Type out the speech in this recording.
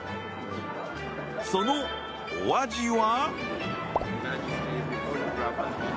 そのお味は？